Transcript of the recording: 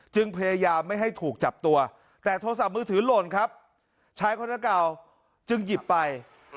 พยายามไม่ให้ถูกจับตัวแต่โทรศัพท์มือถือหล่นครับชายคนนั้นเก่าจึงหยิบไป